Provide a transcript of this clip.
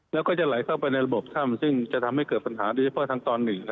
แล้วก็จะไหลเข้าไปในระบบถ้ำซึ่งจะทำให้เกิดปัญหาโดยเฉพาะทางตอนหนึ่ง